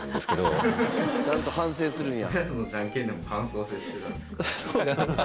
高橋：ちゃんと反省するんや。